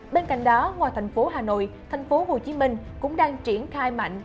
bên cạnh đó ngoài thành phố hà nội thành phố hồ chí minh cũng đang triển khai mạnh